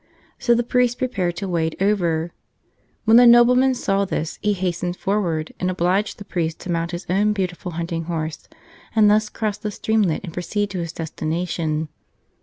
So the priest prepared to wade over. When the nobleman saw this he hastened forward, and obliged the priest to mount his own beautiful hunting horse and thus cross the streamlet and proceed to his destination.